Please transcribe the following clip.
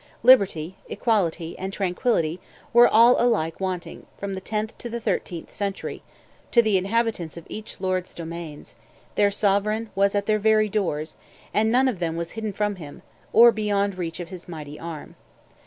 Liberty, equality, and tranquillity were all alike wanting, from the tenth to the thirteenth century, to the inhabitants of each lord's domains; their sovereign was at their very doors, and none of them was hidden from him, or beyond reach of his mighty arm.